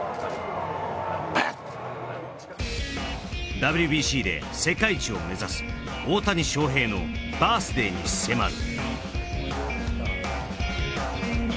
ＷＢＣで世界一を目指す大谷翔平のバース・デイに迫る。